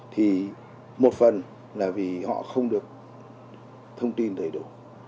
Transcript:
thì một phần là vì họ không được thông tin đầy đủ